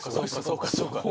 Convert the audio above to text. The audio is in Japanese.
そうかそうか。